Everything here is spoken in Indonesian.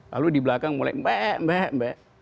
lalu di belakang mulai mbak mbak